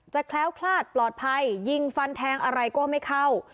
แคล้วคลาดปลอดภัยยิงฟันแทงอะไรก็ไม่เข้า